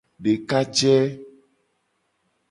Dekaje.